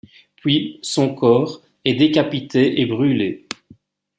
Puis son corps est décapité et brûlé.